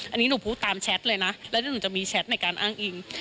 อันนี้หนูพูดตามแชทเลยนะแล้วหนูจะมีแชทในการอ้างอิง